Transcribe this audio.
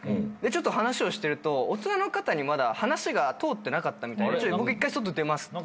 ちょっと話をしてると大人の方にまだ話が通ってなかったみたいで僕１回外出ますと。